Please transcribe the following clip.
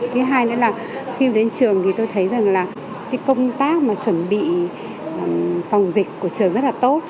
thứ hai nữa là khi đến trường thì tôi thấy rằng là cái công tác mà chuẩn bị phòng dịch của trường rất là tốt